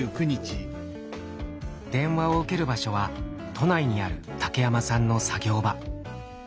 電話を受ける場所は都内にある竹山さんの作業場。